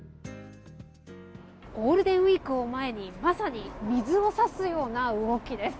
ゴールデンウィークを前にまさに水を差すような動きです。